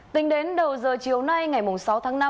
tính đến đầu giờ chiều nay ngày sáu tháng năm